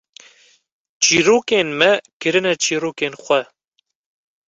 çîrokên me kirinin çîrokên xwe